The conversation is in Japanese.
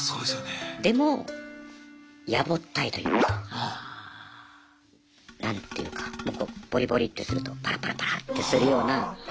でもやぼったいというか何ていうかこうぼりぼりってするとぱらぱらぱらってするような。